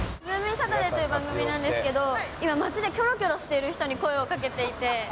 サタデーという番組なんですけど、今、街でキョロキョロしてる人に声をかけていて。